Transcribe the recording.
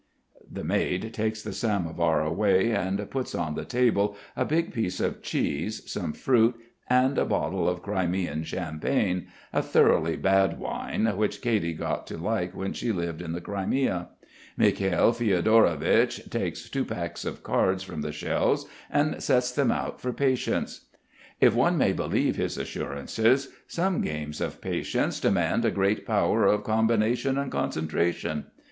The maid takes the samovar away and puts on the table a big piece of cheese, some fruit, and a bottle of Crimean champagne, a thoroughly bad wine which Katy got to like when she lived in the Crimea. Mikhail Fiodorovich takes two packs of cards from the shelves and sets them out for patience. If one may believe his assurances, some games of patience demand a great power of combination and concentration.